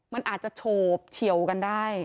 มันอาจจะโฉบเฉียวกันได้